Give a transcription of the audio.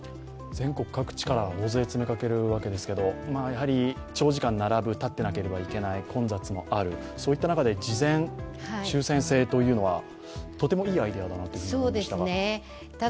全国各地から大勢詰めかけるわけですけれども、長時間並ぶ、立っていなければいけない、混雑もある、そういった中で事前抽選制というのはとてもいいアイデアだなと思いました。